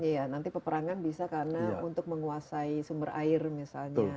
iya nanti peperangan bisa karena untuk menguasai sumber air misalnya